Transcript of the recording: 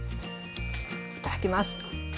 いただきます。